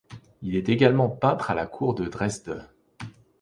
Il est également peintre à la cour de Dresde.